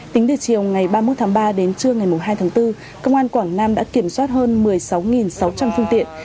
tính từ chiều ngày ba mươi một tháng ba đến trưa ngày hai tháng bốn công an quảng nam đã kiểm soát hơn một mươi sáu sáu trăm linh phương tiện